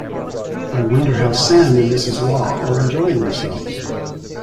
I wonder how Sam and Mrs. Law are enjoying themselves.